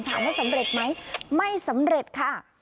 ถามว่าสำเร็จไหมไม่สำเร็จค่ะ